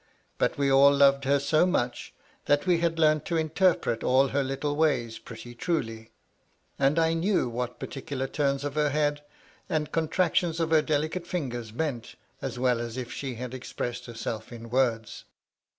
But we all loved her so much, that we had learnt to interpret all her litde ways pretty truly ; and I knew what particular turns of her head, and MY LADY LUDLOW. 253 contractions of her delicate fingers meant, as well as if she had expressed herself in words.